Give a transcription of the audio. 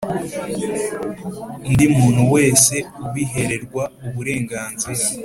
Undi muntu wese ubihererwa uburenganzira